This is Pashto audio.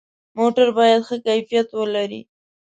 موټر باید ښه کیفیت ولري.